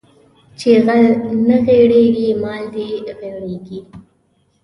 چې غل نه غېړيږي مال دې غېړيږي